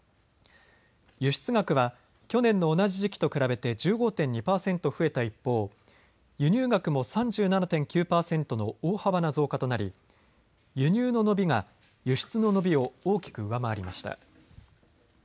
輸出額は去年の同じ時期と比べて１５．２％増えた一方、輸入額も３７．９％の大幅な増加となり輸入の伸びが輸出の伸びを大きく上回りました。